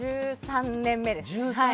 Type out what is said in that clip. １３年目ですね。